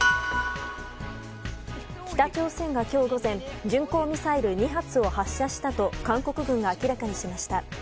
北朝鮮が今日午前巡航ミサイル２発を発射したと韓国軍が明らかにしました。